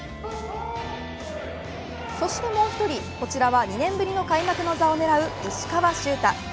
そしてもう１人こちらは２年ぶりの開幕の座を狙う石川柊太。